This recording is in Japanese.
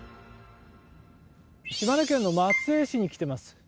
島根県の松江市に来ています。